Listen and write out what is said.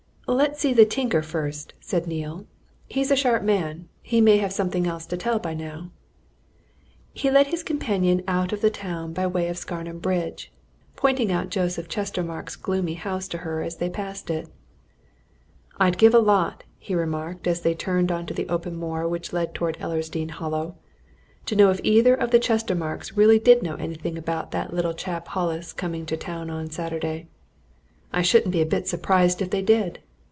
"Let's see the tinker first," said Neale. "He's a sharp man he may have something else to tell by now." He led his companion out of the town by way of Scarnham Bridge, pointing out Joseph Chestermarke's gloomy house to her as they passed it. "I'd give a lot," he remarked, as they turned on to the open moor which led towards Ellersdeane Hollow, "to know if either of the Chestermarkes really did know anything about that chap Hollis coming to the town on Saturday. I shouldn't be a bit surprised if they did.